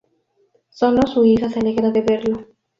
Sólo su hija se alegra de verlo.